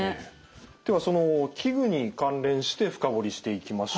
ではその器具に関連して深掘りしていきましょう。